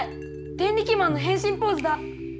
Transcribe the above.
デンリキマンの変身ポーズだ。